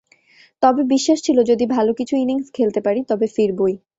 তবে বিশ্বাস ছিল, যদি কিছু ভালো ইনিংস খেলতে পারি, তবে ফিরবই।